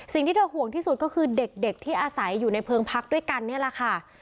สิ่งที่เธอห่วงที่สุดก็คือเด็กที่อาศัยอยู่ในเพิงพักด้วยกันนี่แหละค่ะ